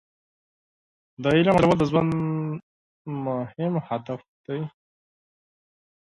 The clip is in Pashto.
• د علم حاصلول د ژوند مهم هدف دی.